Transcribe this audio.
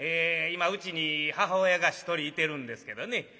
今うちに母親が１人いてるんですけどね。